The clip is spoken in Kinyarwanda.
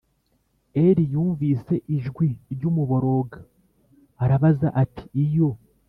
Eli yumvise ijwi ry umuborogo arabaza ati Iyo